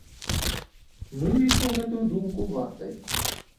Мы лічым гэтую думку вартай.